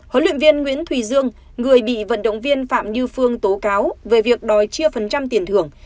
huấn luyện viên nguyễn thùy dương người bị vận động viên phạm như phương tố cáo về việc đòi chi phần trăm tiền thưởng